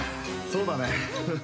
そうだね。